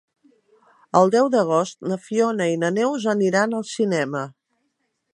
El deu d'agost na Fiona i na Neus aniran al cinema.